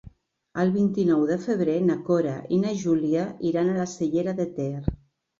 El vint-i-nou de febrer na Cora i na Júlia iran a la Cellera de Ter.